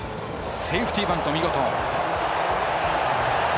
セーフティーバント、見事。